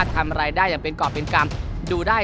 ถ้าได้ไม่ต้องเสียดใจ